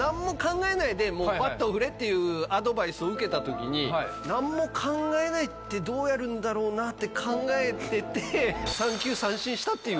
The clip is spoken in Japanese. っていうアドバイスを受けた時に「何も考えない」ってどうやるんだろうなって考えてて三球三振したっていう。